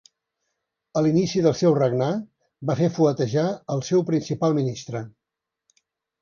A l'inici del seu regnar va fer fuetejar al seu principal ministre.